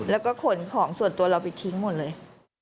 แล้วก็ขนของส่วนตัวเราไปทิ้งหมดเลย